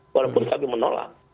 walaupun kami menolak